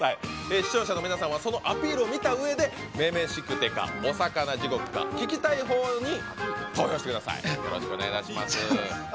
視聴者の皆さんはそのアピールを見たうえで「女々しくて」か「おさかな地獄」か聴きたいほうに投票してください。